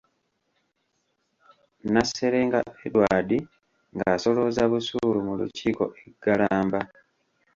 Naserenga Edward ng'asolooza busuulu mu lukiiko e Galamba.